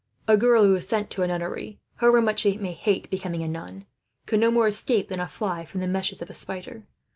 A girl who is sent to a nunnery, however much she may hate becoming a nun, can no more escape than a fly from the meshes of a spider.